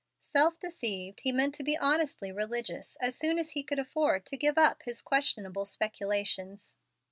Self deceived, he meant to be honestly religious as soon as he could afford to give up his questionable speculations.